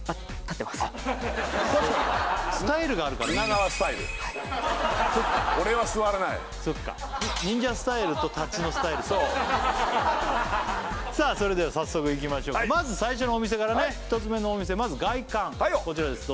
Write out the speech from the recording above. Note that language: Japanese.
スタイルがあるからみんなはいそっか忍者スタイルと立ちのスタイルとさあそれでは早速いきましょうかまず最初のお店からね１つ目のお店まず外観こちらです